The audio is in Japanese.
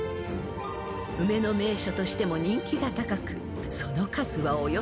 ［梅の名所としても人気が高くその数はおよそ３，０００本］